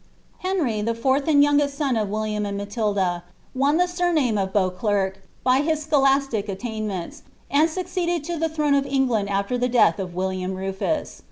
Henry, the fourth and youngest son of William and Matilda, won the surname of Beauclerc, by his scholastic attainments, and succeeded to the throne of England after the death of William Rufus.